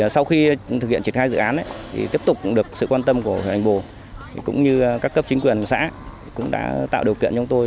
sau khi thực hiện triển khai dự án thì tiếp tục được sự quan tâm của huyện anh bồ cũng như các cấp chính quyền xã cũng đã tạo điều kiện cho chúng tôi